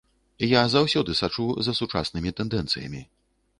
Я заўсёды сачу за сучаснымі тэндэнцыямі.